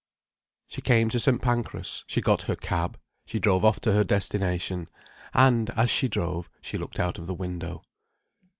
She came to St. Pancras, she got her cab, she drove off to her destination—and as she drove, she looked out of the window.